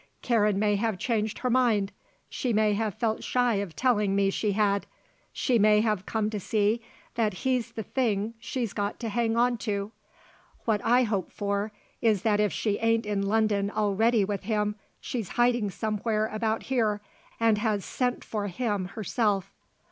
Karen may have changed her mind. She may have felt shy of telling me she had. She may have come to see that he's the thing she's got to hang on to. What I hope for is that if she ain't in London already with him, she's hiding somewhere about here and has sent for him herself."